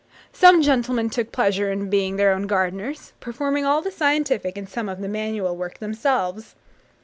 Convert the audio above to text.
Some gentlemen took pleasure in being their own gardeners, performing all the scientific, and some of the manual, work themselves.